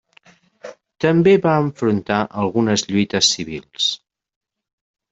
També va enfrontar algunes lluites civils.